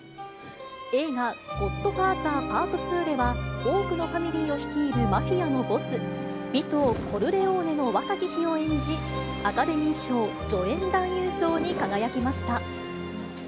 映画、ゴッドファーザーＰＡＲＴ２では、多くのファミリーを率いるマフィアのボス、ヴィトー・コルレオーネの若き日を演じ、アカデミー賞助演男優賞に輝きました。